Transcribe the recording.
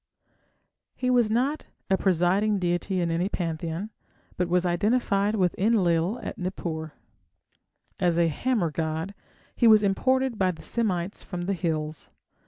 He was not a presiding deity in any pantheon, but was identified with Enlil at Nippur. As a hammer god, he was imported by the Semites from the hills.